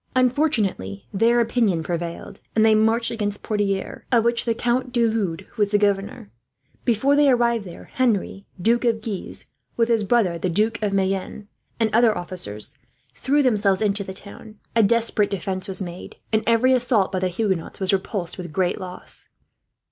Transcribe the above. Unfortunately their opinion prevailed, and they marched against Poitiers, of which the Count de Lude was the governor. Before they arrived there Henry, Duke of Guise, with his brother the Duke of Mayenne, and other officers, threw themselves into the town. A desperate defence was made, and every assault by the Huguenots was repulsed, with great loss.